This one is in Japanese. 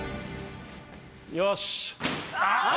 よし。